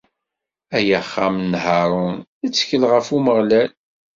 Ay axxam n Haṛun, ttkel ɣef Umeɣlal!